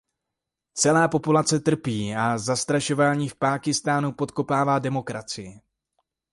Celá populace trpí a zastrašování v Pákistánu podkopává demokracii.